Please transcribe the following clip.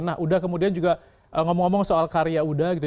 nah udah kemudian juga ngomong ngomong soal karya uda gitu